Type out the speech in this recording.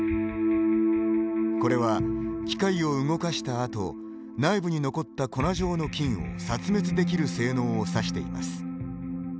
これは機械を動かしたあと内部に残った粉状の菌を殺滅できる性能を指しています。